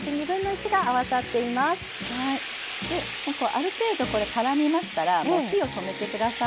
ある程度これからみましたらもう火を止めてください。